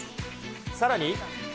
さらに。